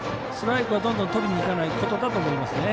ストライクをどんどんとりにいかないことだと思います。